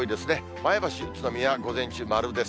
前橋、宇都宮、午前中丸です。